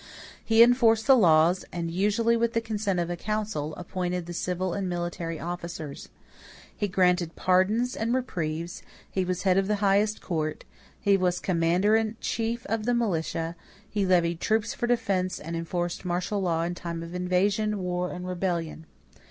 He enforced the laws and, usually with the consent of a council, appointed the civil and military officers. He granted pardons and reprieves; he was head of the highest court; he was commander in chief of the militia; he levied troops for defense and enforced martial law in time of invasion, war, and rebellion.